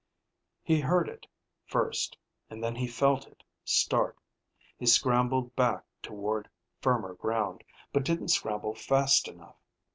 He heard it first, and then he felt it start. He scrambled back toward firmer ground but didn't scramble fast enough.